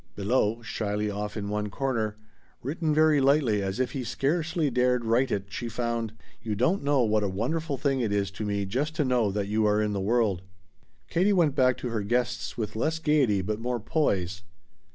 Below, shyly off in one corner, written very lightly as if he scarcely dared write it, she found: "You don't know what a wonderful thing it is to me just to know that you are in the world." Katie went back to her guests with less gayety but more poise.